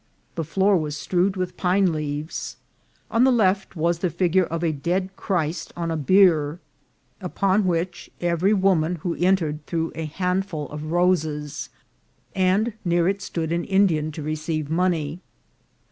The floor was strewed with pine leaves. On the left was the fig ure of a dead Christ on a bier, upon which every woman VOL. II.— D D 210 INCIDENTS OF TRAVEL. who entered threw a handful of roses, and near it stood an Indian to receive money.